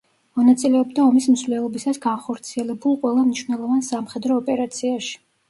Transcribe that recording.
მონაწილეობდა ომის მსვლელობისას განხორციელებულ ყველა მნიშვნელოვან სამხედრო ოპერაციაში.